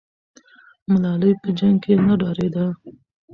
ملالۍ په جنګ کې نه ډارېده.